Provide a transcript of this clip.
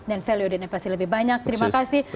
dan value dan investasi lebih banyak terima kasih